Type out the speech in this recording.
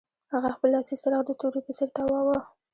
هغه خپل لاسي څراغ د تورې په څیر تاواوه